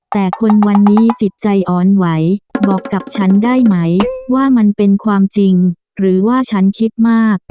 แต่คนวันนี้จิตใจอ่อนไหวบอกกับฉันได้ไหมว่ามันเป็นความจริงหรือว่าฉันคิดมาก